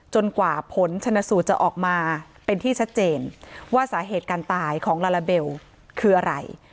กว่าผลชนสูตรจะออกมาเป็นที่ชัดเจนว่าสาเหตุการตายของลาลาเบลคืออะไร